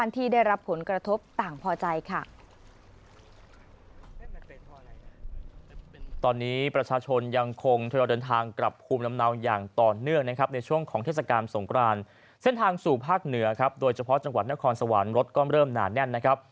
ตอนนี้ประชาชนยังคงทยอยเดินทางกลับภูมิลำเนาอย่างต่อเนื่องนะครับในช่วงของเทศกาลสงครานเส้นทางสู่ภาคเหนือครับโดยเฉพาะจังหวัดนครสวรรค์รถก็เริ่มหนาแน่นนะครับ